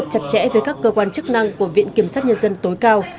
chặt chẽ với các cơ quan chức năng của viện kiểm sát nhân dân tối cao